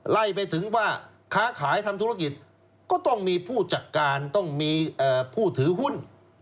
ไล่ไปถึงว่าค้าขายทำธุรกิจก็ต้องมีผู้จัดการต้องมีผู้ถือหุ้น